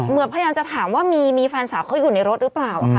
พยายามจะถามว่ามีแฟนสาวเขาอยู่ในรถหรือเปล่าค่ะ